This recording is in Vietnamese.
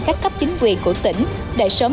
các cấp chính quyền của tỉnh để sớm